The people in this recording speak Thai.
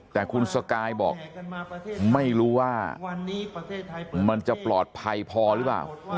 แต่คุณสกายบอกไม่รู้ว่ามันจะปลอดภัยพอหรือเปล่า